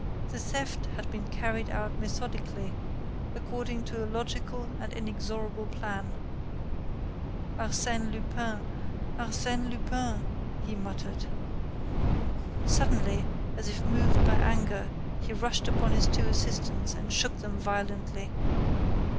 The theft had been carried out methodically, according to a logical and inexorable plan. "Arsène Lupin....Arsène Lupin," he muttered. Suddenly, as if moved by anger, he rushed upon his two assistants and shook them violently.